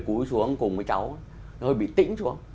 cúi xuống cùng với cháu hơi bị tĩnh xuống